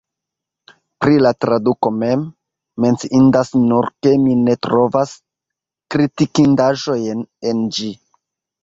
Pri la traduko mem, menciindas nur, ke mi ne trovas kritikindaĵojn en ĝi.